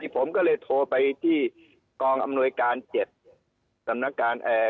ผมก็เลยโทรไปที่กองอำนวยการเจ็ดสำนักการเอ่อ